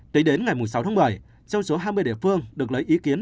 tính đến ngày sáu tháng một mươi trong số hai mươi địa phương được lấy ý kiến